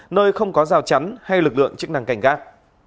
nơi không có rào chắn hay lực lượng chức năng cảnh gác